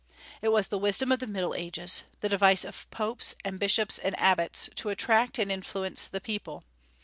It was the wisdom of the Middle Ages, the device of popes and bishops and abbots to attract and influence the people.